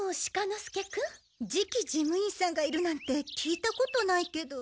次期事務員さんがいるなんて聞いたことないけど。